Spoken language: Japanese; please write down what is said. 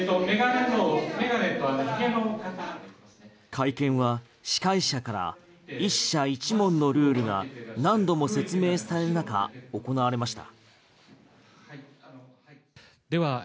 会見は司会者から１社１問のルールが何度も説明される中行われました。